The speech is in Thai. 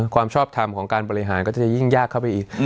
ความชอบทำของการบริหารก็จะยิ่งยากเข้าไปอีก